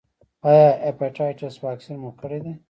ایا د هیپاټایټس واکسین مو کړی دی؟